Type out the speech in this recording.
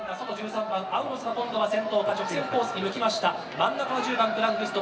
真ん中の１０番グラングスト。